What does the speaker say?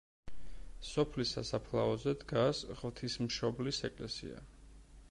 სოფლის სასაფლაოზე დგას ღვთისმშობლის ეკლესია.